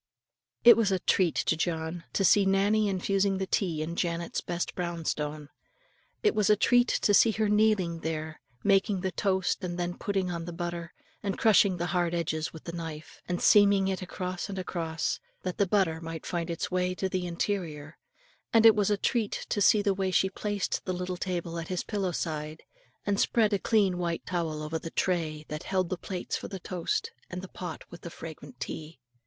It was a treat to John to see Nannie infusing the tea in Janet's best brown stone, it was a treat to see her kneeling there, making the toast and then putting on the butter, and crushing the hard edges with the knife, and seaming it across and across, that the butter might find its way to the interior; and it was a treat to see the way she placed the little table at his pillow side, and spread a clean white towel over the tray, that held the plates for the toast, and the pot with the fragrant tea.